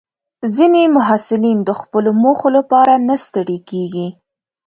ځینې محصلین د خپلو موخو لپاره نه ستړي کېږي.